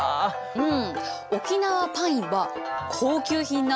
うん。